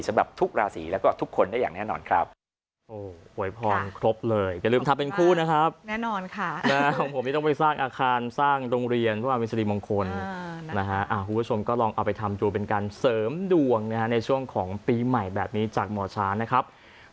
สำหรับทุกราศีแล้วก็ทุกคนได้อย่างแน่นอนครับ